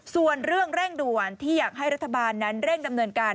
ส่วนเรื่องเร่งด่วนที่อยากให้รัฐบาลนั้นเร่งดำเนินการ